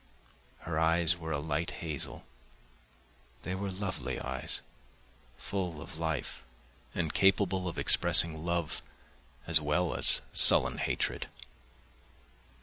Her eyes were a light hazel, they were lovely eyes, full of life, and capable of expressing love as well as sullen hatred.